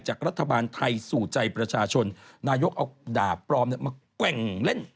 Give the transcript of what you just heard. จากรัฐบาลไทยสู่ใจประชาชนนายกเอาดาบปลอมมาแกว่งเล่น